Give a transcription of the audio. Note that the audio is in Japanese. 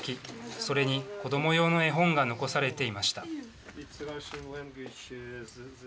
それに子ども用の絵本が残されていました。